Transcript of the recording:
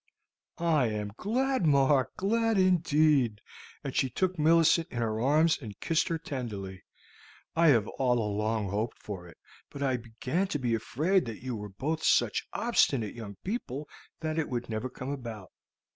"I am glad, Mark, glad indeed!" and she took Millicent in her arms and kissed her tenderly. "I have all along hoped for it, but I began to be afraid that you were both such obstinate young people that it would never come about.